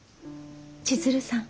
千鶴さん？